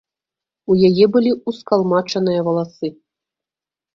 У яе былі ўскалмачаныя валасы.